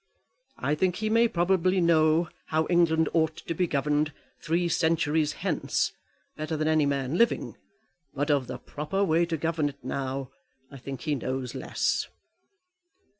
I think he may probably know how England ought to be governed three centuries hence better than any man living, but of the proper way to govern it now, I think he knows less.